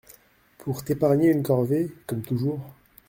Pour t’épargner une corvée !… comme toujours !…